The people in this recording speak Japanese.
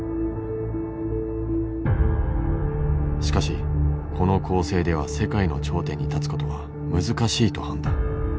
しかしこの構成では世界の頂点に立つことは難しいと判断。